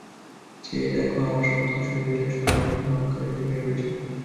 চেয়ে দেখ, আমার সমস্ত শরীর স্বর্ণালঙ্কারে ঢেকে রয়েছে।